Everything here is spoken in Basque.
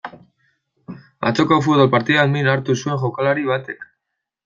Atzoko futbol partidan min hartu zuen jokalari batek.